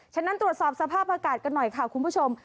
ฉะนั้นตรวจสอบสภาพอากาศกันหน่อยค่ะคุณผู้ชม